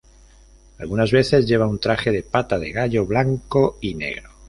Algunas veces lleva un traje de pata de gallo blanco y negro.